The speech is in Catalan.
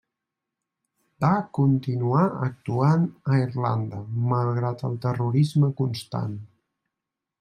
Va continuar actuant a Irlanda, malgrat el terrorisme constant.